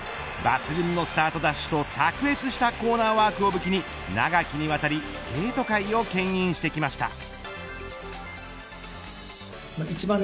抜群のスタートダッシュと卓越したコーナーワークを武器に長きにわたりスケート界をけん引してきました。